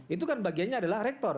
itu kan bagiannya adalah rektor